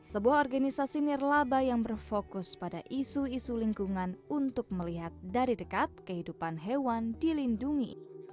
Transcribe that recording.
sebuah organisasi nirlaba yang berfokus pada isu isu lingkungan untuk melihat dari dekat kehidupan hewan dilindungi